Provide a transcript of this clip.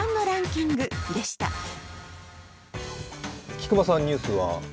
菊間さん、ニュースは？